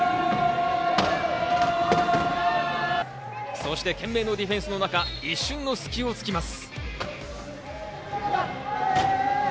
そして懸命のディフェンスの中、一瞬の隙をつきます。